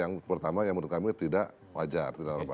yang pertama yang menurut kami tidak wajar